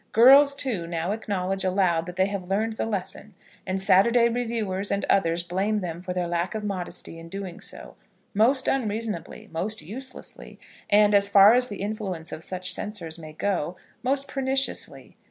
Girls, too, now acknowledge aloud that they have learned the lesson; and Saturday Reviewers and others blame them for their lack of modesty in doing so, most unreasonably, most uselessly, and, as far as the influence of such censors may go, most perniciously.